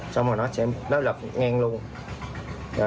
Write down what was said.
xong rồi nó lập ngang luôn